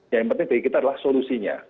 yang penting bagi kita adalah solusinya